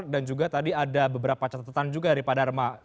dan juga tadi ada beberapa catatan juga dari pak dharma